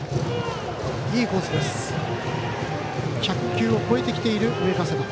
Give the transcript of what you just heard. １００球を超えてきている上加世田。